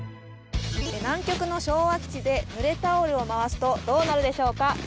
南極の昭和基地でぬれタオルを回すとどうなるでしょうか？